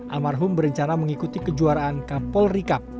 almarhum berencana mengikuti kejuaraan kampol rikab